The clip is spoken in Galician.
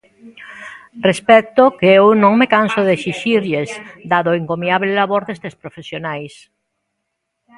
Respecto que eu non me canso de exixirlles dado o encomiable labor destes profesionais.